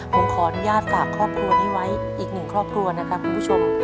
ผมขออนุญาตฝากครอบครัวนี้ไว้อีกหนึ่งครอบครัวนะครับคุณผู้ชม